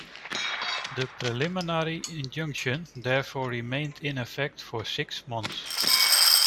The preliminary injunction therefore remained in effect for six months.